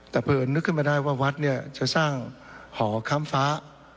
แต่เผินนึกขึ้นมาได้ว่าวัดเนี่ยจะสร้างหอค้ำฟ้า